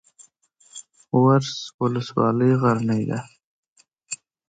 ورس ولسوالۍ غرنۍ ده؟